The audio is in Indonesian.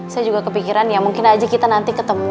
saya juga kepikiran ya mungkin aja kita nanti ketemu